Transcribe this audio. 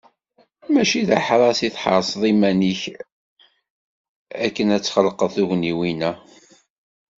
Mačči d aḥras i tḥerseḍ iman-ik akken ad d-txelqeḍ tugniwin-a.